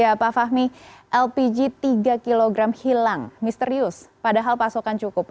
ya pak fahmi lpg tiga kg hilang misterius padahal pasokan cukup